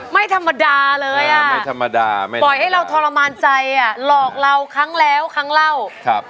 ไม่ธรรมดาเลยอะปล่อยให้เราทรมานใจหลอกเราครั้งแล้วครั้งเล่า